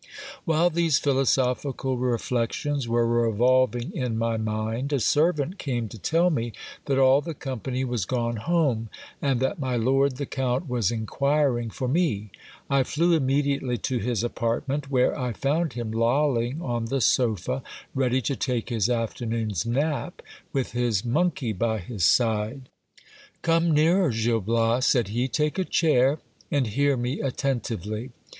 While these philosophical reflections were revolving in my mind, a servant came to tell me that all the company was gone home, and that my lord the count was inquiring for me. I flew immediately to his apartment, where I found him lolling on the sofa, ready to take his afternoon's nap, with his mon key by his side. Come nearer, Gil Bias, said he ; take a chair, and hear me attentively.